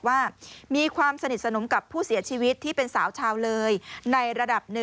ว่ามีความสนิทสนมกับผู้เสียชีวิตที่เป็นสาวชาวเลยในระดับ๑